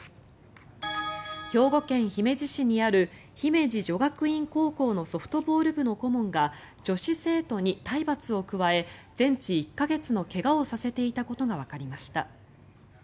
兵庫県姫路市にある姫路女学院高校のソフトボール部の顧問が女子生徒に体罰を加え全治１か月の怪我をさせていたことがわかりました。